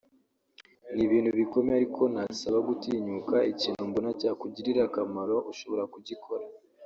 ni ibintu bikomeye ariko nabasaba gutinyuka ; ikintu mbona cyakugirira akamaro ushobora kugikora